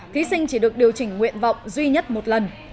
thí sinh chỉ được điều chỉnh nguyện vọng duy nhất một lần